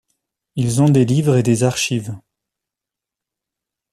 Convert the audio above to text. Ils ont des livres et des archives.